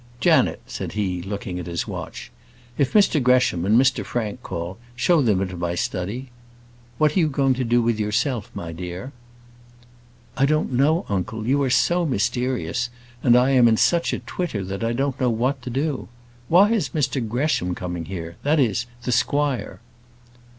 "Janet," said he, looking at his watch, "if Mr Gresham and Mr Frank call, show them into my study. What are you going to do with yourself, my dear?" "I don't know, uncle; you are so mysterious, and I am in such a twitter, that I don't know what to do. Why is Mr Gresham coming here that is, the squire?"